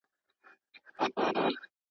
یو نن نه دی زه به څو ځلي راځمه.